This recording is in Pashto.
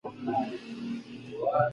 ټولنپوهنه د نوي عصر ننګونې څېړي.